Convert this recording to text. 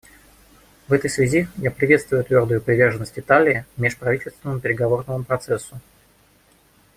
В этой связи я приветствую твердую приверженность Италии межправительственному переговорному процессу.